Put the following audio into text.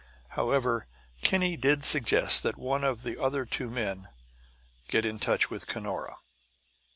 However, Kinney did suggest that one of the other two men get in touch with Cunora.